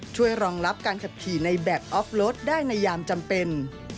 รองรับการขับขี่ในแบบออฟรถได้ในยามจำเป็น